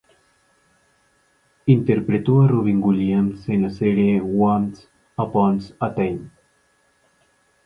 Interpretó a Robin Hood en la serie Once Upon A Time.